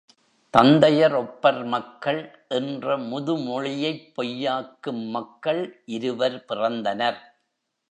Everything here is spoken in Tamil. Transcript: தந்தையர் ஒப்பர் மக்கள் என்ற முதுமொழியைப் பொய்யாக்கும் மக்கள் இருவர் பிறந்தனர்.